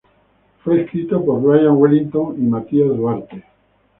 Fue escrito por Brian Wellington y Matias Duarte.